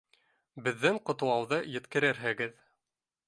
Беҙҙең ҡотлауҙы еткерерһегеҙ